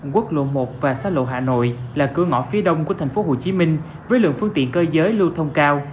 quốc lộ một và xa lộ hà nội là cửa ngõ phía đông của tp hcm với lượng phương tiện cơ giới lưu thông cao